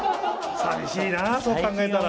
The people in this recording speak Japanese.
寂しいなそう考えたら。